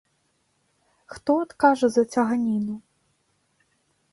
Хто адкажа за цяганіну?